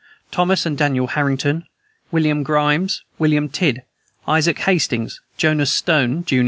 Thomas and Daniel Harrington, William Grimes, William Tidd, Isaac Hastings, Jonas Stone, jun.